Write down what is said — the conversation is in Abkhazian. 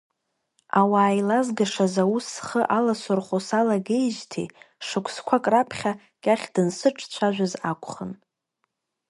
Ауаа еилазгашаз аус схы аласырхәо салагеижьҭеи, шықәсқәак раԥхьа кьахь дансыҿцәажәаз акәхын.